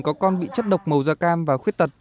có con bị chất độc màu da cam và khuyết tật